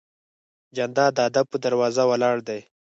جانداد د ادب په دروازه ولاړ دی.